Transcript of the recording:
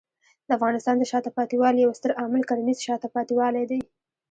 د افغانستان د شاته پاتې والي یو ستر عامل کرنېز شاته پاتې والی دی.